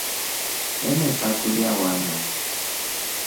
Enesakulya vana.